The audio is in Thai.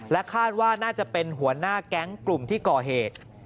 คาดว่าน่าจะเป็นหัวหน้าแก๊งกลุ่มที่ก่อเหตุ